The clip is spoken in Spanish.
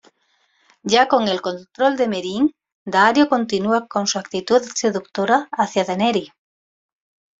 Ya con el control de Meereen, Daario continúa con su actitud seductora hacia Daenerys.